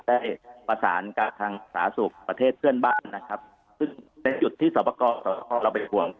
ได้ประสานกับทางสาธารณสุขประเทศเพื่อนบ้านนะครับซึ่งเป็นจุดที่สอบประกอบสวเราเป็นห่วง